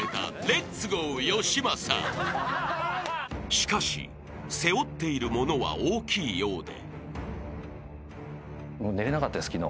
［しかし背負っているものは大きいようで］